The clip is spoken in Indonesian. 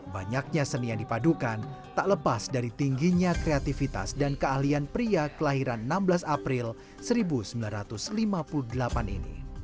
banyaknya seni yang dipadukan tak lepas dari tingginya kreativitas dan keahlian pria kelahiran enam belas april seribu sembilan ratus lima puluh delapan ini